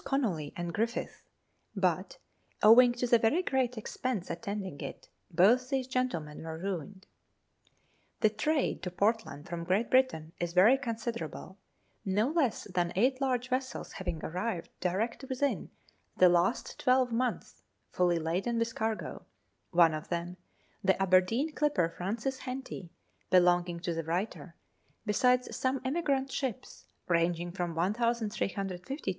Conolly and Griffiths, but, owing to the very great expense attending it, both these gentlemen were ruined. The trade to Portland from Great Britain is very considerable, no less than eight large vessels having arrived direct within the last twelve months fully laden with cargo one of them, the Aberdeen clipper Frances Henty, belonging to the writer besides some emigrant ships, ranging from 1,350 tons down to 650 tons. S. G. HENTY.